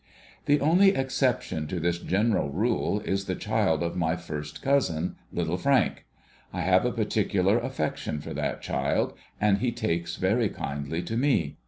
The only exception to this general rule is the child of my first cousin, Little Frank. I have a particular affection for that child, and he takes very kindly to me.